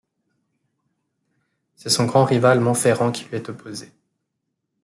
C’est son grand rival Montferrand qui lui est opposé.